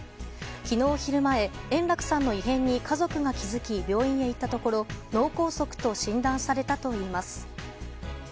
昨日昼前円楽さんの異変に家族が気付き病院へ行ったところ、脳梗塞と診断されたといいます。